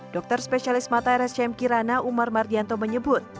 dokter spesialis mata rsjm kirana umar mardianto menyebut